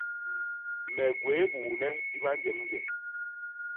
Me gwéé buune i banjemnje.